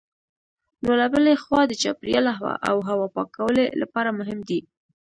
نو له بلې خوا د چاپېریال او هوا پاکوالي لپاره مهم دي.